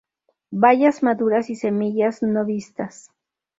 Bayas maduras y semillas no vistas.